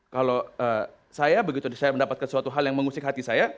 kalau saya begitu saya mendapatkan suatu hal yang mengusik hati saya